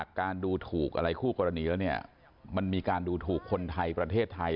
การดูถูกอะไรคู่กรณีแล้วเนี่ยมันมีการดูถูกคนไทยประเทศไทย